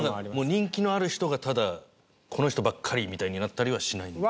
人気のある人がただこの人ばっかりみたいになったりはしない？